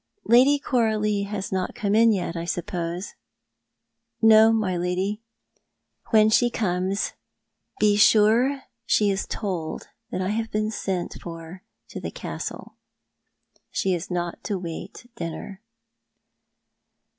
" Lady Coralie has not come in yet, I suppose ?"" No, my lady." " When she comes, be sure she is told that I have been sent for to the Castle. She is not to wait dinner."